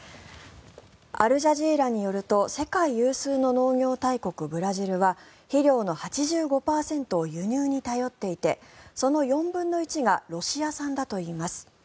アルジャジーラによると世界有数の農業大国・ブラジルは肥料の８５％を輸入に頼っていてその４分の１がロシア産だといいます。